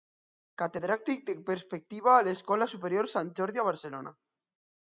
Catedràtic de Perspectiva a l'Escola Superior Sant Jordi a Barcelona.